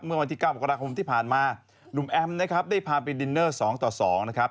เมื่อวันที่๙มกราคมที่ผ่านมาหนุ่มแอมนะครับได้พาไปดินเนอร์๒ต่อ๒นะครับ